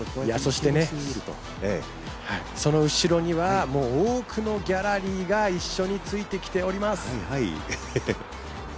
その後ろには多くのギャラリーが一緒についてきております。